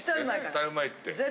絶対うまいって。